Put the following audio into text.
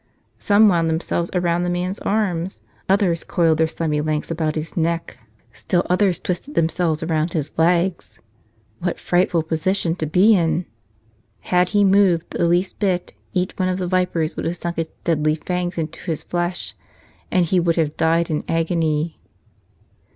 Some wound themselves around the man's arms ; others coiled their slimy lengths about his neck; still others 131 "Tell Us Another!" S twisted themselves around his legs. What frightful position to be in! Had he moved the least bit each one of the vipers would have sunk its deadly fangs into his flesh, and he would have died in agony.